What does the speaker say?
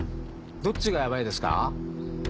どっちがヤバいですか？